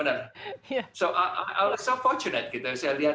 jadi saya sangat beruntung gitu saya lihat